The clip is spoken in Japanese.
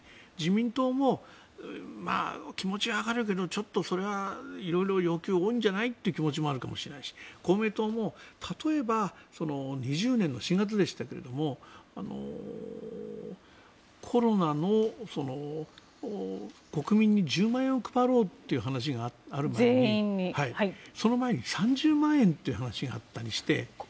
自民党も気持ちはわかるけどちょっとそれは色々要求多いんじゃない？という気持ちもあるかもしれないし公明党も例えば２０２０年の４月でしたがコロナの国民に１０万円を配ろうという話がありその前に３０万円という話があったりして。